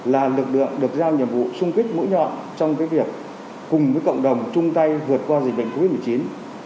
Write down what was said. là lực lượng được giao nhiệm vụ xung kích mũi nhọn trong việc cùng với cộng đồng chung tay vượt qua dịch bệnh covid một mươi chín